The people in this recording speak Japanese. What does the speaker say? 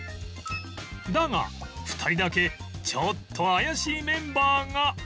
だが２人だけちょっと怪しいメンバーが